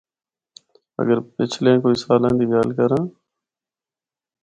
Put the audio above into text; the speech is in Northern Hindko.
اگر پچھلیاں کوئی سالاں دی گل کراں۔